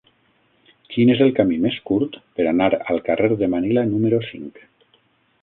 Quin és el camí més curt per anar al carrer de Manila número cinc?